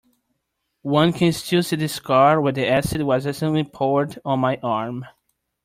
One can still see the scar where the acid was accidentally poured on my arm.